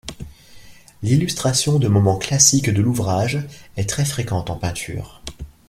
L'illustration de moments classiques de l'ouvrage est très fréquente en peinture.